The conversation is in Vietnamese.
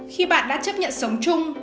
khi bạn đã chấp nhận sống chung